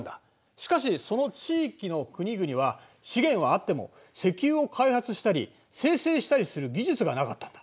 しかしその地域の国々は資源はあっても石油を開発したり精製したりする技術がなかったんだ。